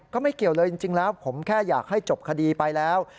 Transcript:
ไม่เกี่ยวเลยจริงแล้วผมแค่อยากให้จบคดีไปแล้ว